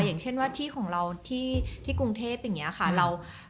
อย่างเช่นว่าที่ของเราที่กรุงเทพอย่างนี้ค่ะ